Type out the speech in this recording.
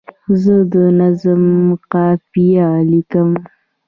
زه د نظم قافیه لیکم.